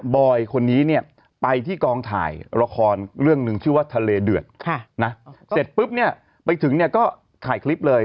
อยคนนี้เนี่ยไปที่กองถ่ายละครเรื่องหนึ่งชื่อว่าทะเลเดือดเสร็จปุ๊บเนี่ยไปถึงเนี่ยก็ถ่ายคลิปเลย